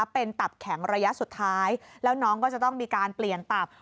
เป็นตับแข็งระยะสุดท้ายแล้วน้องก็จะต้องมีการเปลี่ยนตับ